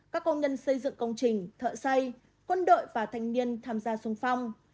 các công nhân xây dựng công trình thợ xây quân đội và thanh niên tham gia sung phong